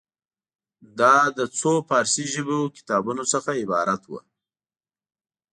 دا له څو فارسي ژبې کتابونو څخه عبارت وه.